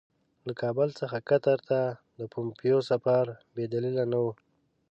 له کابل څخه قطر ته د پومپیو سفر بې دلیله نه وو.